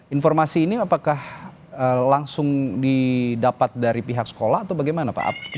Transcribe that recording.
informasi ini apakah langsung didapat dari pihak sekolah atau bagaimana pak